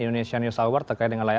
indonesian news hour terkait dengan